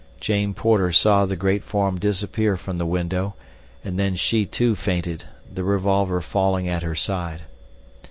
Jane Porter saw the great form disappear from the window, and then she, too, fainted, the revolver falling at her side.